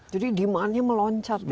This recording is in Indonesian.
jadi demandnya meloncat ya dua kali